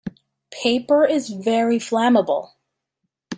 Paper is very flammable.